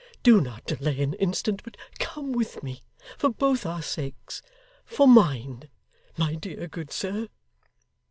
Do not delay an instant, but come with me for both our sakes for mine my dear good sir!